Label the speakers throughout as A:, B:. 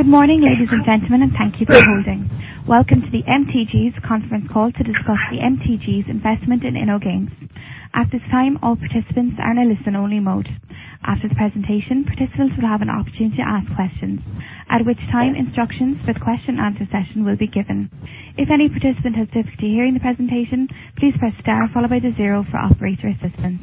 A: Good morning, ladies and gentlemen, and thank you for holding. Welcome to MTG's conference call to discuss MTG's investment in InnoGames. At this time, all participants are in a listen-only mode. After the presentation, participants will have an opportunity to ask questions, at which time instructions for the question and answer session will be given. If any participant has difficulty hearing the presentation, please press star followed by zero for operator assistance.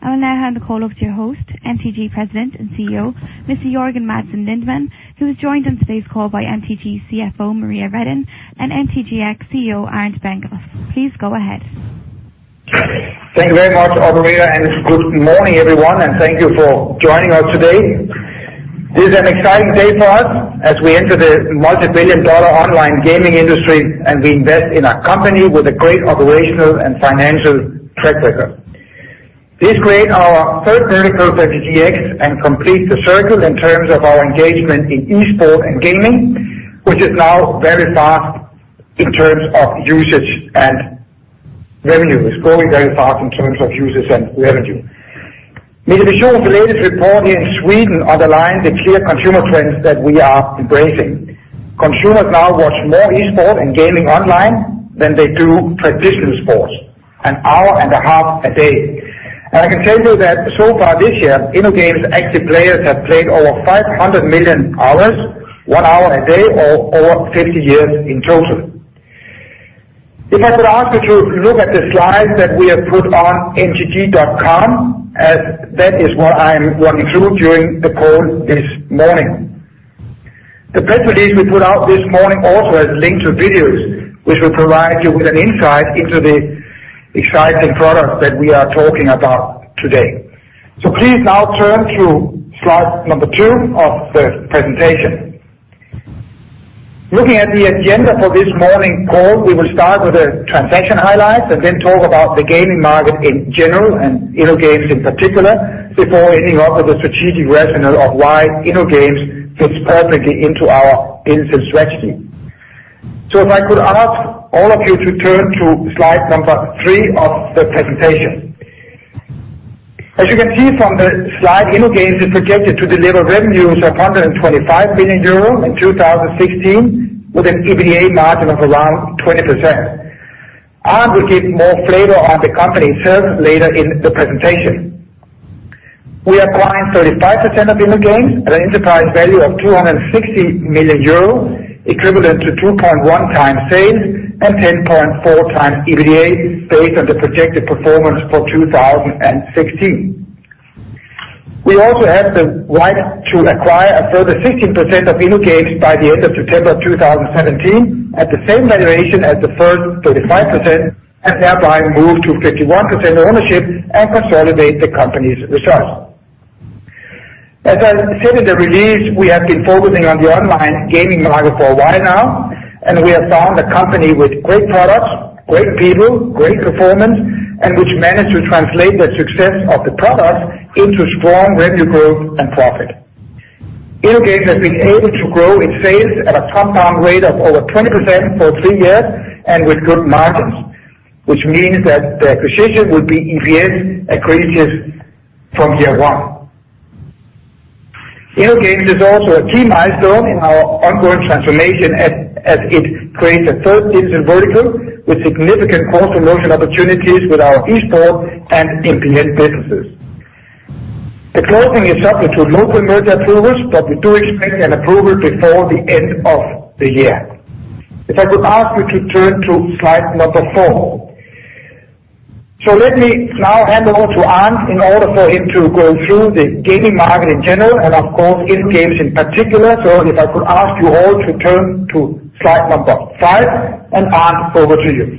A: I will now hand the call over to your host, MTG President and CEO, Jørgen Madsen Lindemann, who is joined on today's call by MTG CFO, Maria Redin, and MTGx CEO, Arnd Benninghoff. Please go ahead.
B: Thank you very much, operator, and good morning, everyone, and thank you for joining us today. This is an exciting day for us as we enter the $multibillion online gaming industry, and we invest in a company with a great operational and financial track record. This creates our third vertical for MTGx and completes the circle in terms of our engagement in esports and gaming, which is now very fast in terms of usage and revenue. It's growing very fast in terms of users and revenue. Mediapulse's latest report in Sweden underlines the clear consumer trends that we are embracing. Consumers now watch more esports and gaming online than they do traditional sports, an hour and a half a day. And I can tell you that so far this year, InnoGames' active players have played over 500 million hours, one hour a day or over 50 years in total. If I could ask you to look at the slides that we have put on mtg.com, as that is what I am going through during the call this morning. The press release we put out this morning also has links to videos, which will provide you with an insight into the exciting product that we are talking about today. So please now turn to slide number two of the presentation. Looking at the agenda for this morning's call, we will start with the transaction highlights and then talk about the gaming market in general and InnoGames in particular, before ending up with the strategic rationale of why InnoGames fits perfectly into our business strategy. So if I could ask all of you to turn to slide number three of the presentation. As you can see from the slide, InnoGames is projected to deliver revenues of 125 million euros in 2016 with an EBITDA margin of around 20%. Arnd will give more flavor on the company itself later in the presentation. We acquired 35% of InnoGames at an enterprise value of 260 million euro, equivalent to 2.1x sales and 10.4x EBITDA based on the projected performance for 2016. We also have the right to acquire a further 15% of InnoGames by the end of September 2017 at the same valuation as the first 35%, and thereby move to 51% ownership and consolidate the company's results. As I said in the release, we have been focusing on the online gaming market for a while now, and we have found a company with great products, great people, great performance, and which managed to translate the success of the products into strong revenue growth and profit. InnoGames has been able to grow its sales at a compound rate of over 20% for three years and with good margins, which means that the acquisition will be EPS accretive from year one. InnoGames is also a key milestone in our ongoing transformation as it creates a third digital vertical with significant cross-promotion opportunities with our esports and MPN businesses. The closing is subject to local merger approvals, but we do expect an approval before the end of the year. If I could ask you to turn to slide number four. Let me now hand over to Arnd in order for him to go through the gaming market in general and, of course, InnoGames in particular. If I could ask you all to turn to slide number five, and Arnd, over to you.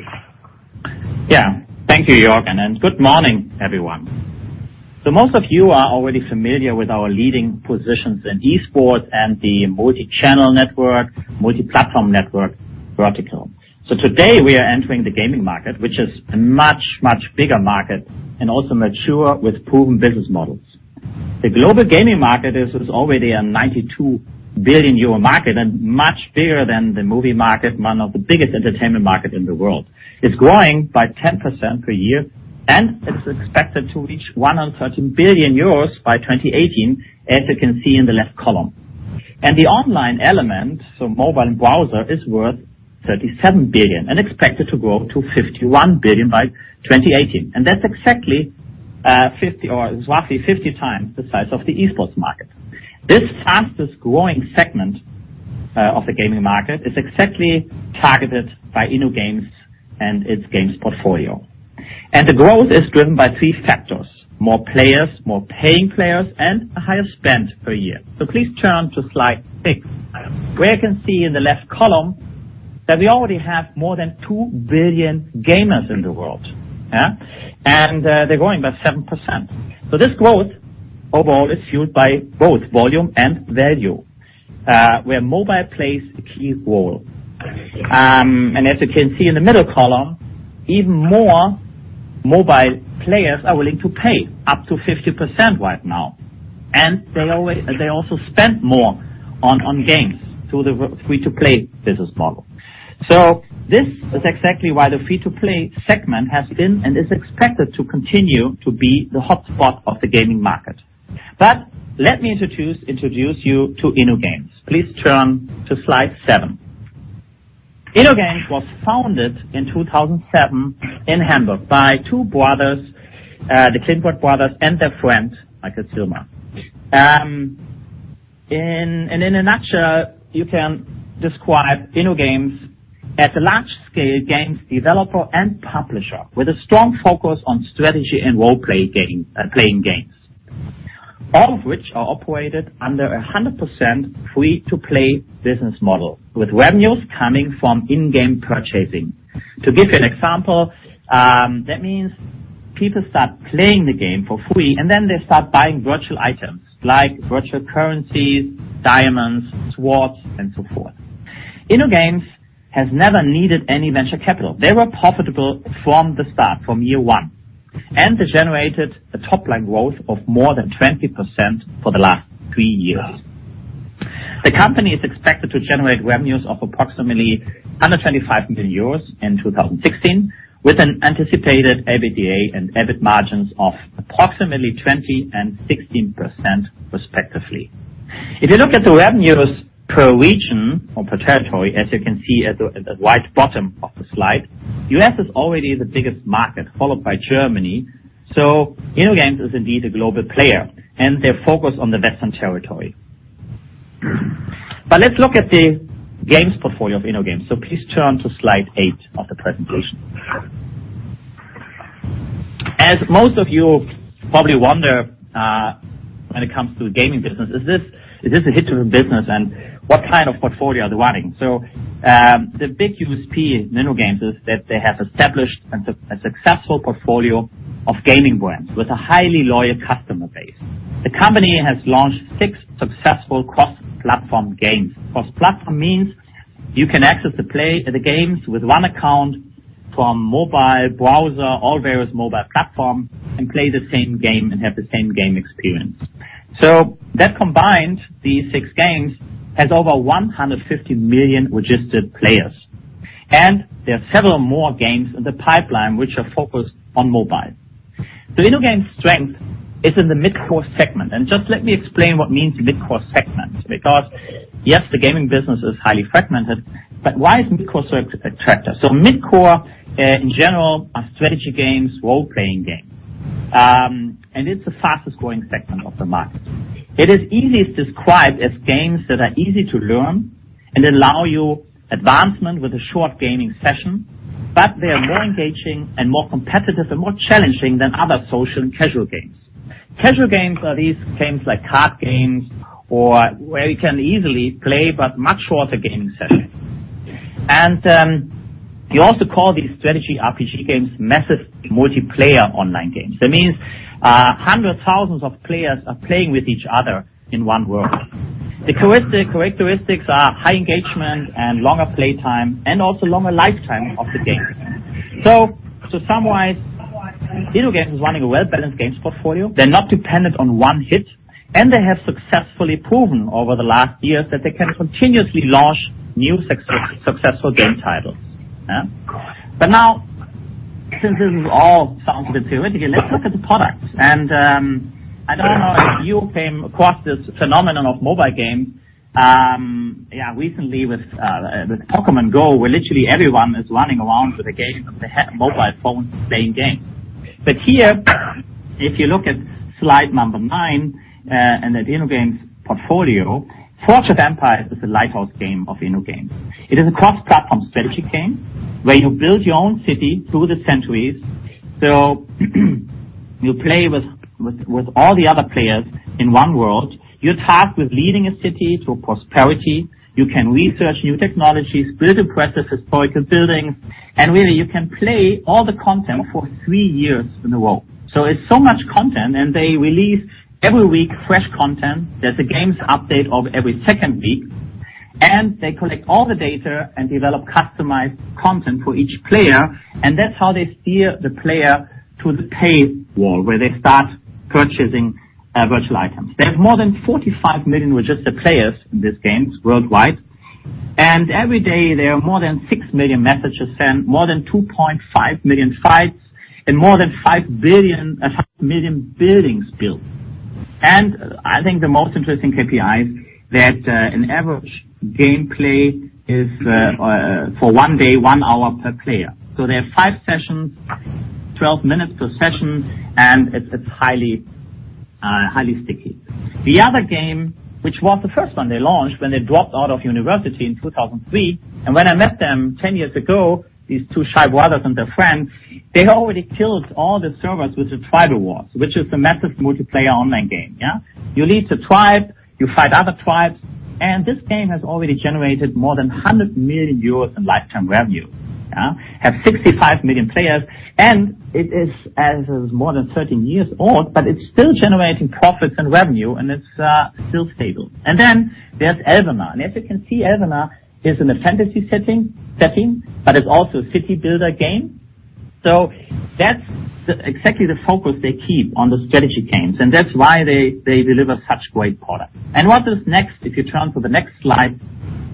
C: Thank you, Jørgen, and good morning, everyone. Most of you are already familiar with our leading positions in esports and the multi-channel network, multi-platform network vertical. Today, we are entering the gaming market, which is a much, much bigger market and also mature with proven business models. The global gaming market is already a 92 billion euro market and much bigger than the movie market, one of the biggest entertainment markets in the world. It's growing by 10% per year, and it's expected to reach 113 billion euros by 2018, as you can see in the left column. The online element, so mobile and browser, is worth 37 billion and expected to grow to 51 billion by 2018. That's exactly 50 or roughly 50 times the size of the esports market. This fastest-growing segment of the gaming market is exactly targeted by InnoGames and its games portfolio. The growth is driven by three factors: more players, more paying players, and a higher spend per year. Please turn to slide six, where you can see in the left column that we already have more than two billion gamers in the world. They're growing by 7%. This growth overall is fueled by both volume and value, where mobile plays a key role. As you can see in the middle column, even more mobile players are willing to pay, up to 50% right now. They also spend more on games through the free-to-play business model. This is exactly why the free-to-play segment has been and is expected to continue to be the hotspot of the gaming market. But let me introduce you to InnoGames. Please turn to slide seven. InnoGames was founded in 2007 in Hamburg by two brothers, the Klindworth brothers, and their friend, Michael Zillmer. In a nutshell, you can describe InnoGames as a large-scale games developer and publisher with a strong focus on strategy and role-playing games, all of which are operated under 100% free-to-play business model, with revenues coming from in-game purchasing. To give you an example, that means people start playing the game for free, and then they start buying virtual items like virtual currencies, diamonds, swords, and so forth. InnoGames has never needed any venture capital. They were profitable from the start, from year one, and they generated a top-line growth of more than 20% for the last three years. The company is expected to generate revenues of approximately 125 million euros in 2016, with an anticipated EBITDA and EBIT margins of approximately 20% and 16%, respectively. If you look at the revenues per region or per territory, as you can see at the right bottom of the slide, U.S. is already the biggest market, followed by Germany. InnoGames is indeed a global player, and they're focused on the Western territory. Let's look at the games portfolio of InnoGames. Please turn to slide eight of the presentation. As most of you probably wonder, when it comes to the gaming business, is this a hit-driven business, and what kind of portfolio are they running? The big USP in InnoGames is that they have established a successful portfolio of gaming brands with a highly loyal customer base. The company has launched six successful cross-platform games. Cross-platform means you can access the games with one account from mobile browser, all various mobile platforms, and play the same game and have the same game experience. That combines these six games as over 150 million registered players. There are several more games in the pipeline which are focused on mobile. The InnoGames strength is in the mid-core segment. Just let me explain what means mid-core segment, because, yes, the gaming business is highly fragmented, but why is mid-core so attractive? Mid-core, in general, are strategy games, role-playing games. It's the fastest-growing segment of the market. It is easiest described as games that are easy to learn and allow you advancement with a short gaming session, but they are more engaging and more competitive and more challenging than other social and casual games. Casual games are these games like card games or where you can easily play but much shorter gaming sessions. We also call these strategy RPG games massively multiplayer online games. That means 100,000s of players are playing with each other in one world. The characteristics are high engagement and longer play time, and also longer lifetime of the game. To summarize, InnoGames is running a well-balanced games portfolio. They're not dependent on one hit, and they have successfully proven over the last years that they can continuously launch new successful game titles. Now, since this all sounds a bit theoretical, let's look at the products. I don't know if you came across this phenomenon of mobile game, recently with Pokémon GO, where literally everyone is running around with a game on their mobile phone playing game. Here, if you look at slide number nine, and at InnoGames portfolio, Forge of Empires is a lighthouse game of InnoGames. It is a cross-platform strategy game where you build your own city through the centuries. You play with all the other players in one world. You are tasked with leading a city to prosperity. You can research new technologies, build impressive historical buildings, and really you can play all the content for three years in a row. It's so much content, and they release every week fresh content. There's a game update every second week, and they collect all the data and develop customized content for each player, and that's how they steer the player to the paywall where they start purchasing virtual items. They have more than 45 million registered players in this game worldwide, and every day there are more than 6 million messages sent, more than 2.5 million fights, and more than 5 million buildings built. I think the most interesting KPI is that an average gameplay is for one day, one hour per player. There are five sessions, 12 minutes per session, and it's highly sticky. The other game, which was the first one they launched when they dropped out of university in 2003, and when I met them 10 years ago, these two shy brothers and their friend, they already killed all the servers with the Tribal Wars, which is the massively multiplayer online game. You lead the tribe, you fight other tribes, and this game has already generated more than 100 million euros in lifetime revenue. Have 65 million players, and it is more than 13 years old, but it's still generating profits and revenue, and it's still stable. There's Elvenar, and as you can see, Elvenar is in a fantasy setting, but it's also a city builder game. That's exactly the focus they keep on the strategy games, and that's why they deliver such great products. What is next? If you turn to the next slide,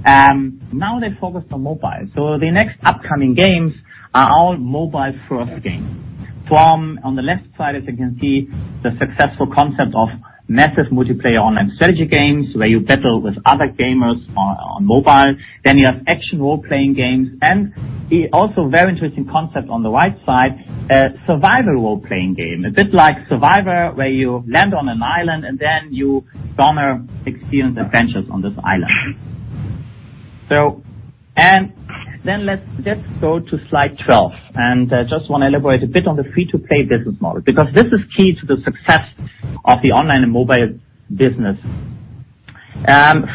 C: now they focus on mobile. Their next upcoming games are all mobile-first games. From on the left side, as you can see, the successful concept of massively multiplayer online strategy games, where you battle with other gamers on mobile. You have action role-playing games, and also very interesting concept on the right side, survival role-playing game. A bit like Survivor, where you land on an island, and then you further experience adventures on this island. Let's go to slide 12, and I just want to elaborate a bit on the free-to-play business model, because this is key to the success of the online and mobile business.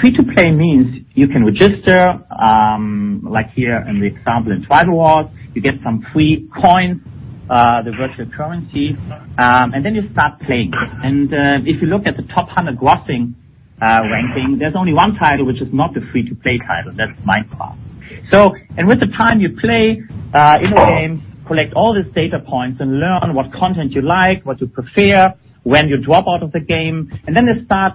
C: Free-to-play means you can register, like here in the example in Tribal Wars, you get some free coins, the virtual currency, and then you start playing. If you look at the top 100 grossing ranking, there's only one title which is not the free-to-play title, that's Minecraft. With the time you play in the game, collect all these data points and learn what content you like, what you prefer, when you drop out of the game, and then they start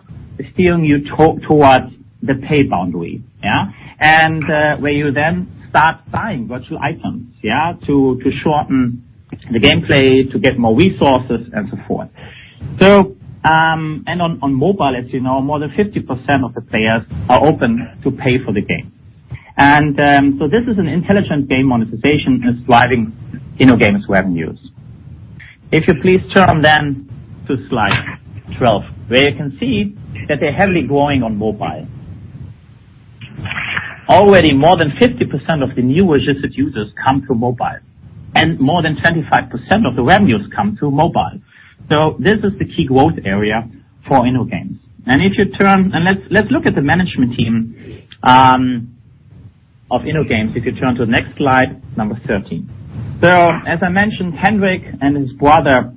C: steering you towards the paid boundary. Where you then start buying virtual items to shorten the gameplay, to get more resources, and so forth. On mobile, as you know, more than 50% of the players are open to pay for the game. This is an intelligent game monetization that's driving InnoGames' revenues. If you please turn to slide 12, where you can see that they're heavily growing on mobile. Already more than 50% of the new registered users come through mobile, and more than 25% of the revenues come through mobile. This is the key growth area for InnoGames. If you turn, and let's look at the management team of InnoGames. If you turn to the next slide 13. As I mentioned, Hendrik and his brother,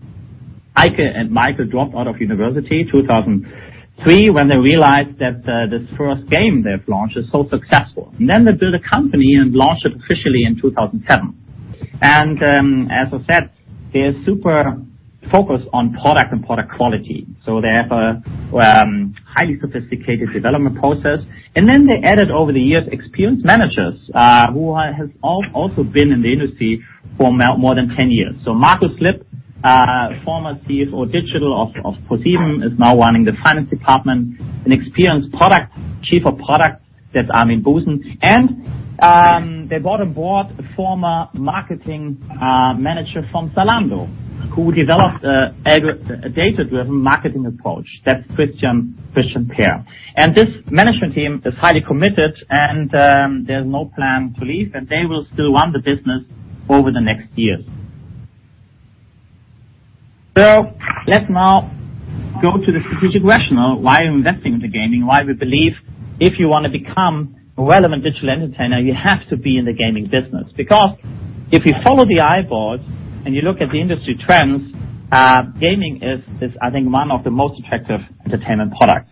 C: Eike and Michael, dropped out of university 2003 when they realized that this first game they've launched is so successful. They built a company and launched it officially in 2007. As I said, they are super focused on product and product quality, so they have a highly sophisticated development process. They added over the years, experienced managers, who has also been in the industry for more than 10 years. Markus Lipp, former CFO Digital of ProSiebenSat.1, is now running the finance department. An experienced Chief of Product, that's Armin Busen. They brought aboard a former Marketing Manager from Zalando, who developed a data-driven marketing approach, that's Christian Pern. This management team is highly committed, and there's no plan to leave, and they will still run the business over the next years. Let's now go to the strategic rationale why we're investing into gaming, why we believe if you want to become a relevant digital entertainer, you have to be in the gaming business. Because if you follow the eyeballs and you look at the industry trends, gaming is, I think, one of the most attractive entertainment products.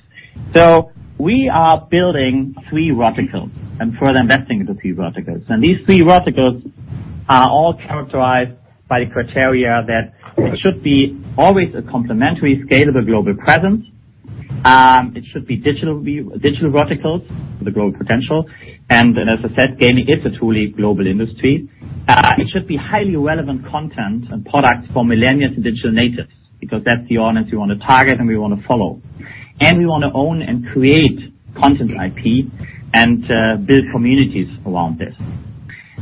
C: We are building three verticals and further investing in the three verticals. These three verticals are all characterized by the criteria that it should be always a complementary, scalable global presence. It should be digital verticals for the growth potential. As I said, gaming is a truly global industry. It should be highly relevant content and product for millennials and digital natives, because that's the audience we want to target and we want to follow. We want to own and create content IP and build communities around this.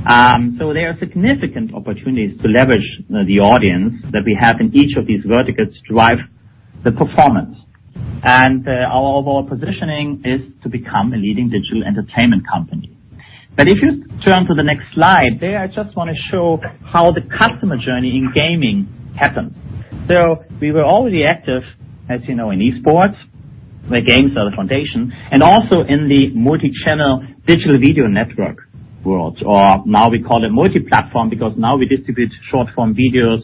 C: There are significant opportunities to leverage the audience that we have in each of these verticals to drive the performance. Our overall positioning is to become a leading digital entertainment company. If you turn to the next slide, there I just want to show how the customer journey in gaming happens. We were already active, as you know, in esports, where games are the foundation, and also in the multi-channel digital video network world, or now we call it multi-platform because now we distribute short-form videos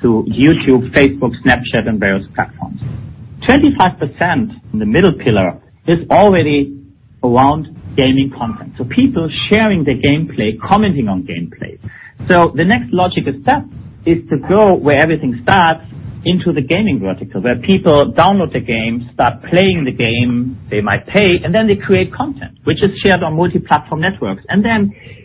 C: through YouTube, Facebook, Snapchat, and various platforms. 25% in the middle pillar is already around gaming content. People sharing the gameplay, commenting on gameplay. The next logical step is to go where everything starts into the gaming vertical, where people download the game, start playing the game, they might pay, and then they create content, which is shared on multi-platform networks.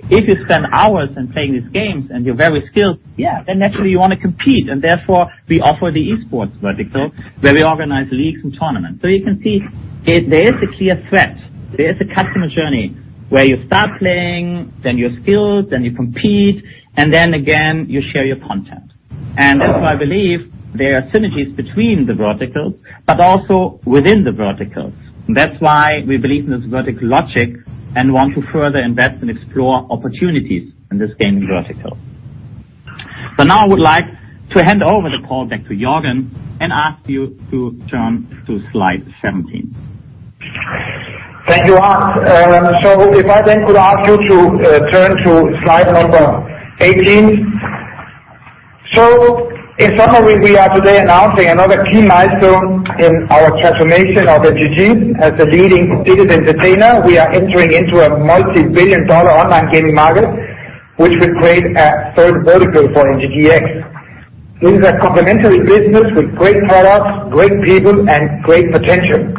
C: If you spend hours in playing these games and you're very skilled, yeah, then naturally you want to compete. Therefore, we offer the esports vertical where we organize leagues and tournaments. You can see there is a clear thread. There is a customer journey where you start playing, then you're skilled, then you compete, and then again, you share your content. That's why I believe there are synergies between the verticals but also within the verticals. That's why we believe in this vertical logic and want to further invest and explore opportunities in this gaming vertical. Now I would like to hand over the call back to Jørgen and ask you to turn to slide 17.
B: Thank you, Arnd. If I could ask you to turn to slide number 18. In summary, we are today announcing another key milestone in our transformation of MTG as the leading digital entertainer. We are entering into a multibillion-dollar online gaming market, which will create a third vertical for MTGx. It is a complementary business with great products, great people, and great potential.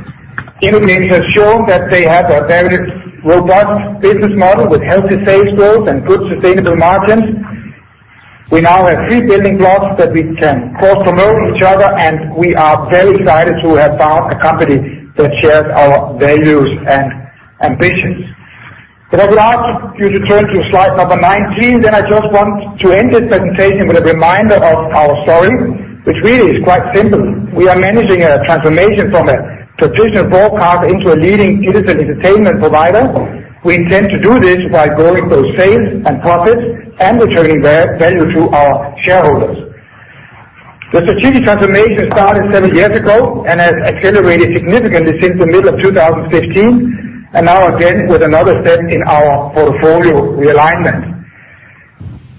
B: InnoGames has shown that they have a very robust business model with healthy sales growth and good sustainable margins. We now have three building blocks that we can cross-promote each other, and we are very excited to have found a company that shares our values and ambitions. Could I ask you to turn to slide number 19, I just want to end this presentation with a reminder of our story, which really is quite simple. We are managing a transformation from a traditional broadcast into a leading digital entertainment provider. We intend to do this by growing both sales and profits and returning value to our shareholders. The strategic transformation started seven years ago and has accelerated significantly since the middle of 2015, and now again with another step in our portfolio realignment.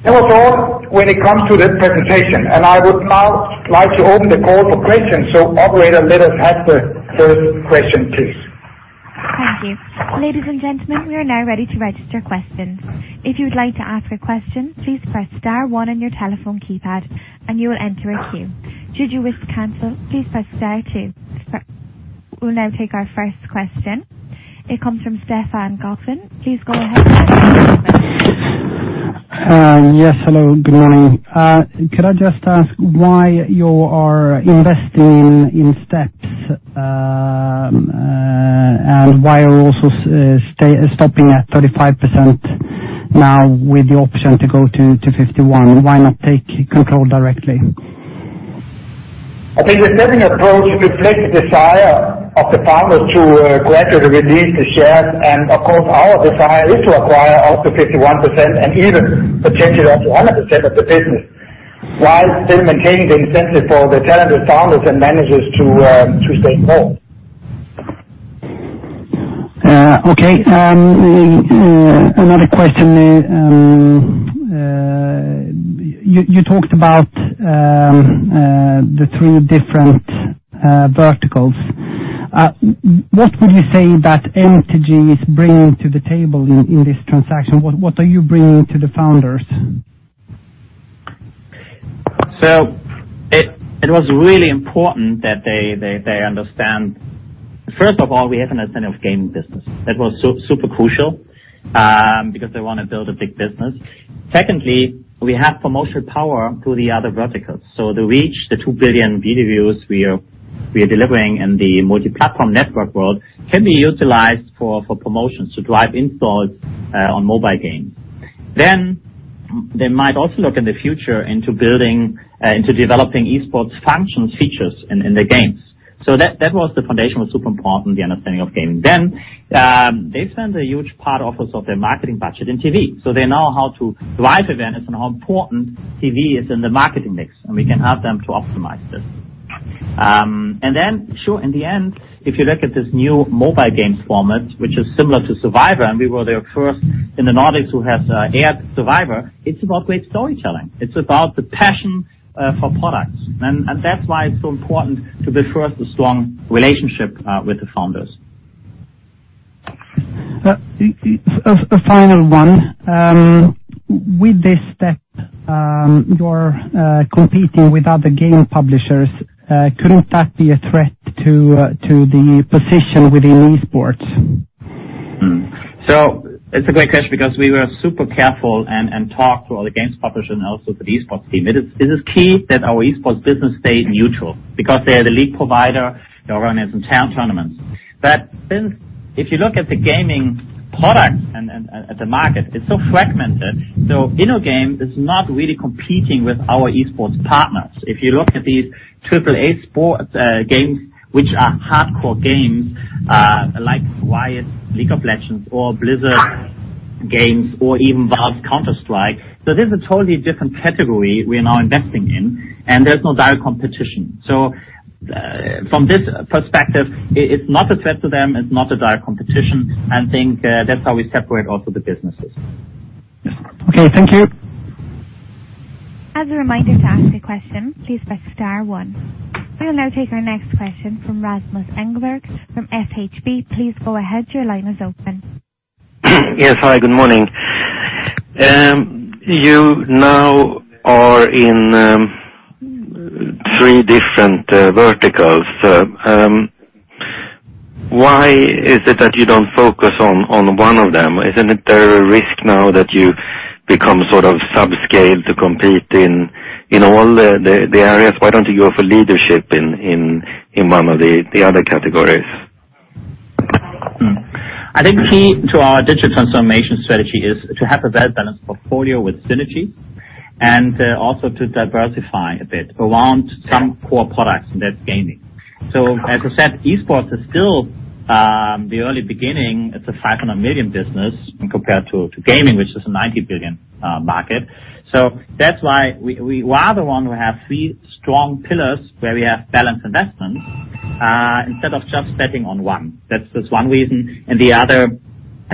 B: That was all when it comes to this presentation, I would now like to open the call for questions. Operator, let us have the first question, please.
A: Thank you. Ladies and gentlemen, we are now ready to register questions. If you would like to ask a question, please press star one on your telephone keypad and you will enter a queue. Should you wish to cancel, please press star two. We'll now take our first question. It comes from Stefan Godwin. Please go ahead.
D: Yes. Hello, good morning. Could I just ask why you are investing in steps? Why are you also stopping at 35% now with the option to go to 51? Why not take control directly?
B: I think the stepping approach reflects the desire of the founders to gradually release the shares, of course, our desire is to acquire up to 51% and even potentially up to 100% of the business while still maintaining the incentive for the talented founders and managers to stay home.
D: Okay. Another question. You talked about the three different verticals. What would you say that MTG is bringing to the table in this transaction? What are you bringing to the founders?
C: It was really important that they understand, first of all, we have an incentive gaming business. That was super crucial, because they want to build a big business. Secondly, we have promotional power to the other verticals. The reach, the 2 billion video views we are delivering in the multi-platform network world can be utilized for promotions to drive installs on mobile games. They might also look in the future into developing esports functions features in the games. That was the foundation, was super important, the understanding of gaming. They spend a huge part of their marketing budget in TV. They know how to drive events and how important TV is in the marketing mix, we can help them to optimize this. Sure, in the end, if you look at this new mobile games format, which is similar to Survivor, and we were there first in the Nordics who have aired Survivor, it's about great storytelling. It's about the passion for products. That's why it's so important to be first a strong relationship with the founders.
D: A final one. With this step, you're competing with other game publishers. Couldn't that be a threat to the position within esports?
C: It's a great question because we were super careful and talked to all the games publishers and also to the esports team. It is key that our esports business stay neutral because they are the league provider, they are running some town tournaments. Since if you look at the gaming products and at the market, it's so fragmented. InnoGames is not really competing with our esports partners. If you look at these AAA sports games, which are hardcore games, like Riot, League of Legends or Blizzard games, or even Valve Counter-Strike. This is a totally different category we are now investing in, and there's no direct competition. From this perspective, it's not a threat to them, it's not a direct competition. I think that's how we separate also the businesses.
D: Okay. Thank you.
A: As a reminder to ask a question, please press star one. We'll now take our next question from Rasmus Engberg from SHB. Please go ahead, your line is open.
E: Yes. Hi, good morning. You now are in three different verticals. Why is it that you don't focus on one of them? Isn't there a risk now that you become sort of subscale to compete in all the areas? Why don't you go for leadership in one of the other categories?
C: I think key to our digital transformation strategy is to have a well-balanced portfolio with synergy and also to diversify a bit around some core products, and that's gaming. As I said, esports is still the early beginning. It's a 500 million business compared to gaming, which is a 92 billion market. That's why we are the one who have three strong pillars where we have balanced investment Instead of just betting on one. That's just one reason, and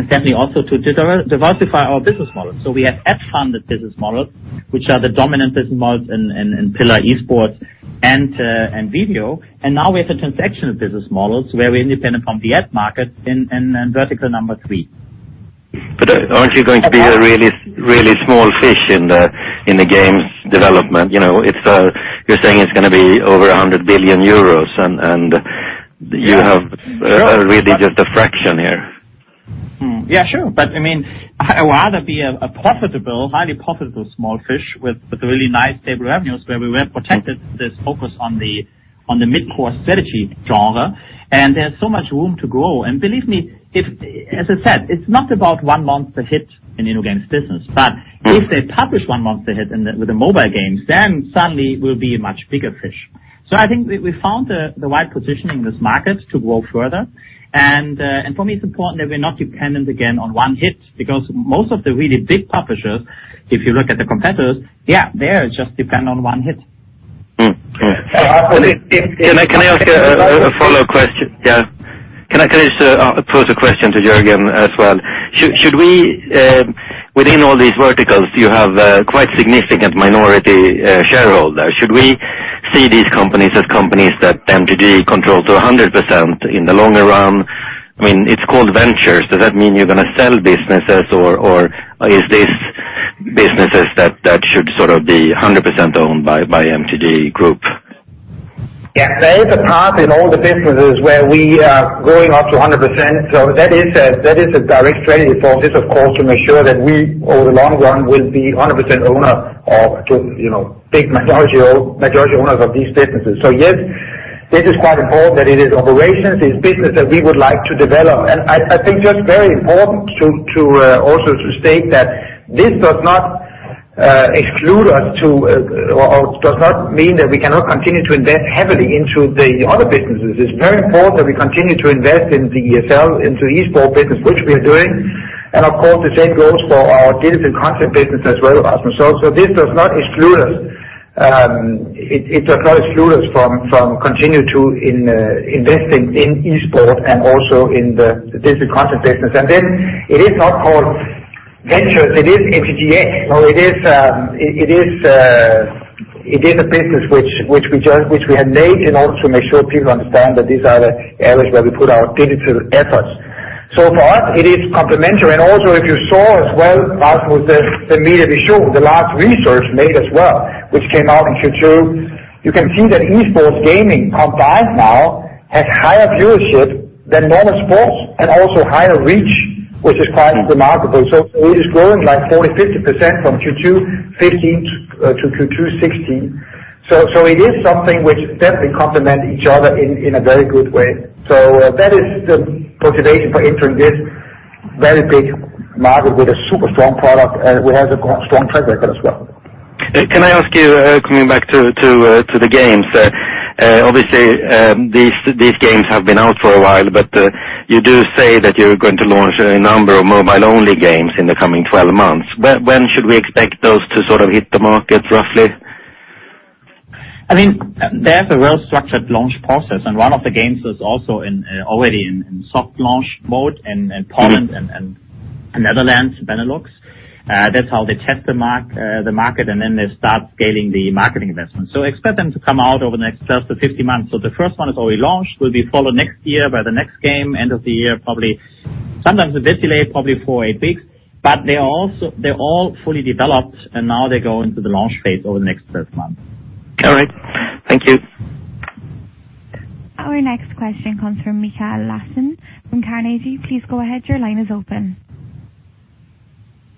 C: certainly also to diversify our business model. We have ad-funded business models, which are the dominant business models in Pillar Esports and video. Now we have the transactional business models where we're independent from the ad market in vertical number 3.
E: Aren't you going to be a really small fish in the games development? You're saying it's going to be over EUR 100 billion, and you have really just a fraction here.
C: I'd rather be a highly profitable small fish with really nice stable revenues where we were protected, this focus on the mid-core strategy genre, there's so much room to grow. Believe me, as I said, it's not about one month ahead in InnoGames business. If they publish one month ahead with the mobile games, suddenly we'll be a much bigger fish. I think we found the right position in this market to grow further. For me, it's important that we're not dependent again on one hit, because most of the really big publishers, if you look at the competitors, they just depend on one hit.
E: Can I ask a follow-up question? Can I just pose a question to Jørgen as well? Within all these verticals, you have a quite significant minority shareholder. Should we see these companies as companies that MTG controls 100% in the longer run? It's called ventures. Does that mean you're going to sell businesses, or is this businesses that should sort of be 100% owned by MTG Group?
B: There is a part in all the businesses where we are going up to 100%, that is a direct strategy for this, of course, to make sure that we, over the long run, will be 100% owner of big majority owners of these businesses. Yes, this is quite important that it is operations. It's business that we would like to develop. I think just very important also to state that this does not exclude us to or does not mean that we cannot continue to invest heavily into the other businesses. It's very important that we continue to invest in the ESL, into the esport business, which we are doing. Of course, the same goes for our digital content business as well as. This does not exclude us. It does not exclude us from continue to investing in esports and also in the digital content business. It is not called ventures. It is MTGx. It is a business which we have made in order to make sure people understand that these are the areas where we put our digital efforts. For us, it is complementary, also if you saw as well, Rasmus, the Mediapulse the last research made as well, which came out in Q2, you can see that esports gaming combined now has higher viewership than normal sports and also higher reach, which is quite remarkable. It is growing like 40%, 50% from Q2 2015 to Q2 2016. It is something which definitely complement each other in a very good way. That is the motivation for entering this very big market with a super strong product, and we have a strong track record as well.
E: Can I ask you, coming back to the games, obviously, these games have been out for a while, but you do say that you're going to launch a number of mobile-only games in the coming 12 months. When should we expect those to sort of hit the market roughly?
C: I mean, there's a well-structured launch process, and one of the games is also already in soft launch mode in Poland and Netherlands, Benelux. That's how they test the market, and then they start scaling the marketing investment. Expect them to come out over the next 12-15 months. The first one is already launched, will be followed next year by the next game, end of the year, probably. Sometimes with this delay, probably four, eight weeks. They're all fully developed, and now they go into the launch phase over the next 12 months.
E: All right. Thank you.
A: Our next question comes from Mikael Laséen from Carnegie. Please go ahead. Your line is open.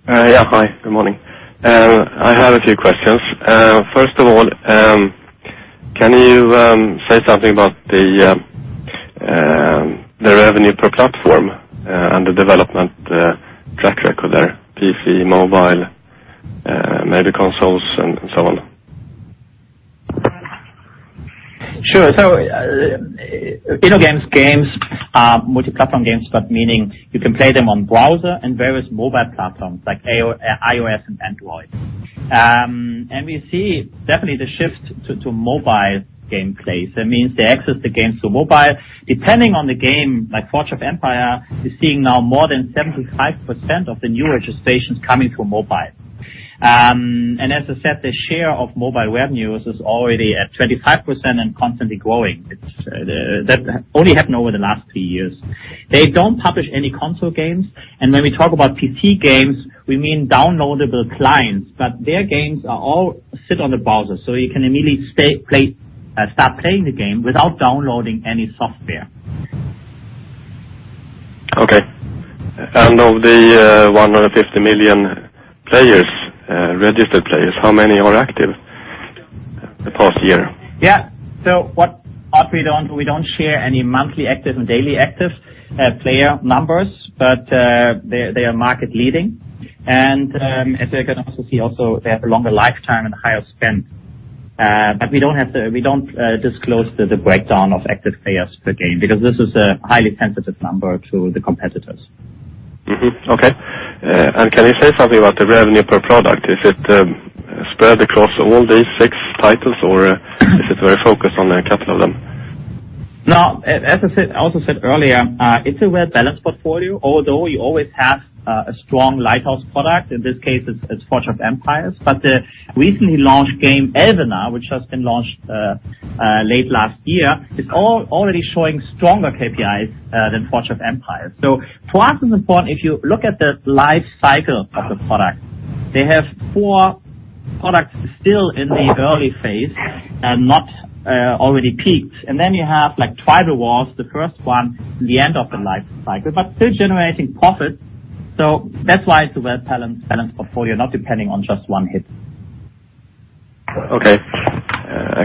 F: Yeah. Hi. Good morning. I have a few questions. First of all, can you say something about the revenue per platform and the development track record there, PC, mobile, maybe consoles, and so on?
C: InnoGames' games are multi-platform games, but meaning you can play them on browser and various mobile platforms like iOS and Android. We see definitely the shift to mobile gameplay. It means they access the games through mobile. Depending on the game, like Forge of Empires, we're seeing now more than 75% of the new registrations coming through mobile. As I said, the share of mobile revenues is already at 25% and constantly growing. That only happened over the last three years. They don't publish any console games. When we talk about PC games, we mean downloadable clients, but their games all sit on the browser, so you can immediately start playing the game without downloading any software.
F: Okay. Of the 150 million registered players, how many are active the past year?
C: Yeah. We don't share any monthly active and daily active player numbers, but they are market leading. As you can also see, they have a longer lifetime and a higher spend. We don't disclose the breakdown of active players per game because this is a highly sensitive number to the competitors.
F: Mm-hmm. Okay. Can you say something about the revenue per product? Is it spread across all these six titles or is it very focused on a couple of them?
C: No, as I also said earlier, it's a well-balanced portfolio, although you always have a strong lighthouse product. In this case, it's "Forge of Empires," but the recently launched game, "Elvenar," which has been launched late last year, is already showing stronger KPIs than "Forge of Empires." For us, it's important, if you look at the life cycle of the product, they have four products still in the early phase and not already peaked. You have "Tribal Wars," the first one in the end of the life cycle, but still generating profit. That's why it's a well-balanced portfolio, not depending on just one hit.
F: Okay.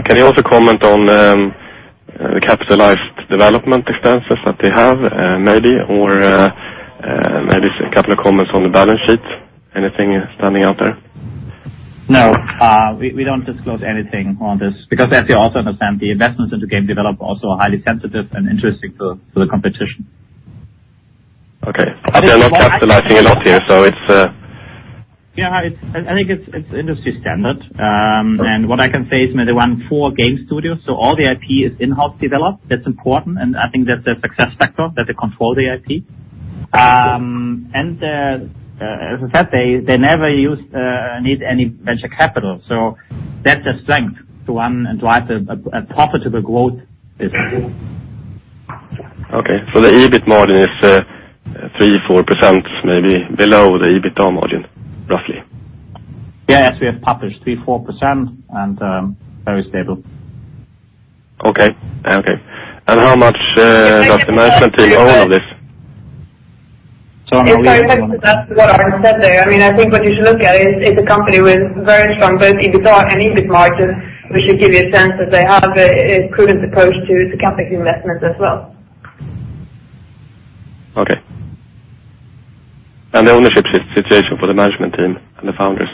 F: Can you also comment on the capitalized development expenses that they have, maybe? Maybe just a couple of comments on the balance sheet. Anything standing out there?
C: No. We don't disclose anything on this because as you also understand, the investments into game developer also are highly sensitive and interesting to the competition.
F: Okay. They're not capitalizing a lot here.
C: Yeah. I think it's industry standard. What I can say is maybe we run four game studios, all the IP is in-house developed. That's important, and I think that's a success factor that they control the IP. As I said, they never need any venture capital. That's a strength to run and drive a profitable growth business.
F: Okay. The EBIT margin is 3%, 4%, maybe below the EBITDA margin, roughly.
C: Yes. We have published 3%-4% and very stable.
F: Okay. How much does the management take home of this?
G: That's what Arnd said there. I think what you should look at it is a company with very strong both EBITDA and EBIT margins, which should give you a sense that they have a prudent approach to the CapEx investments as well.
F: Okay. The ownership situation for the management team and the founders?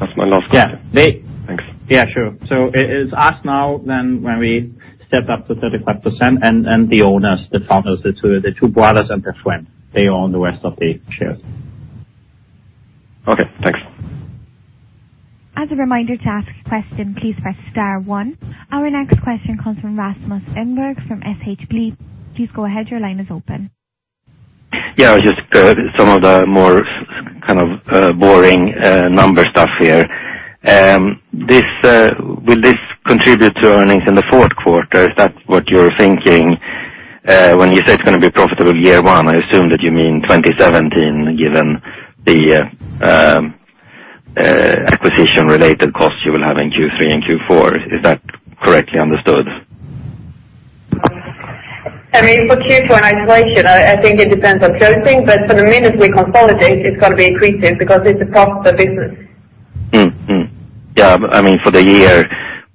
F: That's my last question.
B: Yeah.
F: Thanks.
C: It is us now, when we stepped up to 35%, the owners, the founders, the two brothers and their friend, they own the rest of the shares.
F: Okay, thanks.
A: As a reminder, to ask a question, please press star one. Our next question comes from Rasmus Engberg from SHB. Please go ahead, your line is open.
E: Just some of the more boring number stuff here. Will this contribute to earnings in the fourth quarter? Is that what you're thinking? When you say it's going to be profitable year one, I assume that you mean 2017, given the acquisition-related costs you will have in Q3 and Q4. Is that correctly understood?
G: For Q4 in isolation, I think it depends on closing, from the minute we consolidate, it's going to be accretive because it's a profitable business.
E: Mm-hmm. Yeah. For the year,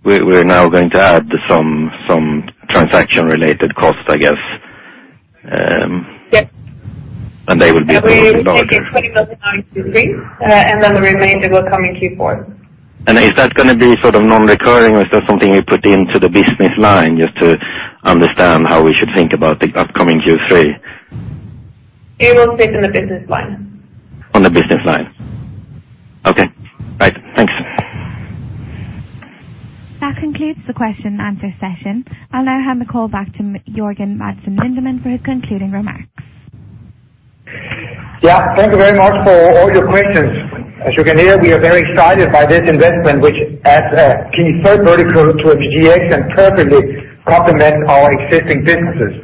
E: we're now going to add some transaction-related costs, I guess.
G: Yes.
E: They will.
G: We will take it in Q3, and then the remainder will come in Q4.
E: Is that going to be non-recurring or is that something you put into the business line just to understand how we should think about the upcoming Q3?
G: It will sit in the business line.
E: On the business line. Okay. Right. Thanks.
A: That concludes the question and answer session. I'll now hand the call back to Jørgen Madsen Lindemann for his concluding remarks.
B: Yeah, thank you very much for all your questions. As you can hear, we are very excited by this investment, which adds a key third vertical to MTGx and perfectly complements our existing businesses.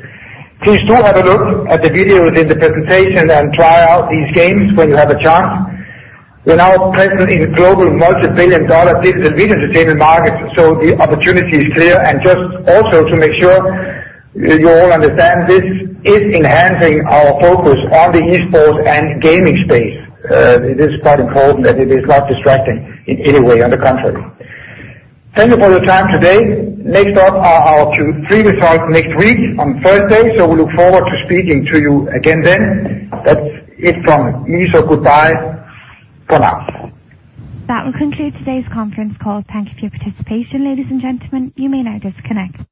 B: Please do have a look at the videos in the presentation and try out these games when you have a chance. We're now present in the global multi-billion dollar digital business entertainment market, the opportunity is clear. Just also to make sure you all understand, this is enhancing our focus on the esports and gaming space. It is quite important that it is not distracting in any way, on the contrary. Thank you for your time today. Next up are our Q3 results next week on Thursday, we look forward to speaking to you again then. That's it from me, goodbye for now.
A: That will conclude today's conference call. Thank you for your participation, ladies and gentlemen. You may now disconnect.